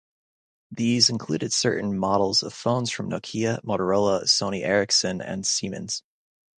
These included certain models of phones from Nokia, Motorola, Sony Ericsson and Siemens.